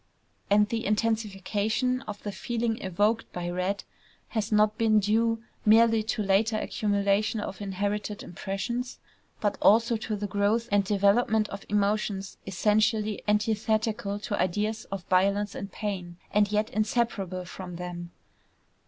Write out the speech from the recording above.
And the intensification of the feeling evoked by red has not been due merely to later accumulation of inherited impressions, but also to the growth and development of emotions essentially antithetical to ideas of violence and pain, and yet inseparable from them.